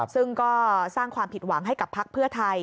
ซึ่งก็สร้างความผิดหวังให้กับพักเพื่อไทย